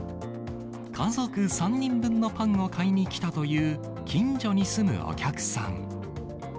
家族３人分のパンを買いに来たという近所に住むお客さん。